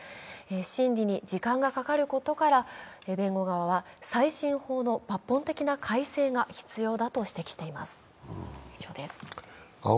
審理に時間がかかることから、弁護側は再審法の抜本的な改正が必要だと指摘しています。